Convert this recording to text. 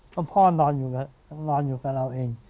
เพราะพ่อนอนอยู่กับเราเอง